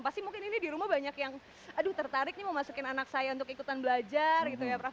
pasti mungkin ini di rumah banyak yang aduh tertarik nih mau masukin anak saya untuk ikutan belajar gitu ya prof